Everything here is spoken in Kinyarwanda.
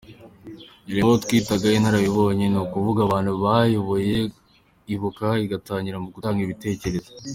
Yari mu bo twitaga inararibonye, ni ukuvuga abantu bayoboye Ibuka igitangira mu gutanga ibitekerezo.